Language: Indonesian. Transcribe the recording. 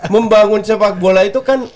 membangun sepak bola itu kan